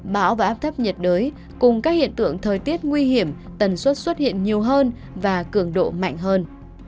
bão và áp thấp nhiệt đới cùng các hiện tượng thời tiết nguy hiểm tần suất xuất hiện nhiều hơn và cường độ mạnh hơn